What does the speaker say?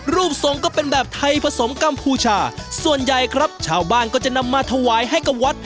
รูปทรงก็เป็นแบบไทยผสมกัมพูชาส่วนใหญ่ครับชาวบ้านก็จะนำมาถวายให้กับวัด